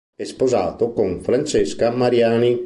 È sposato con Francesca Mariani.